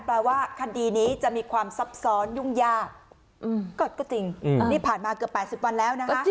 แปลว่าคดีนี้จะมีความซับซ้อนยุ่งยากก็จริงนี่ผ่านมาเกือบ๘๐วันแล้วนะคะ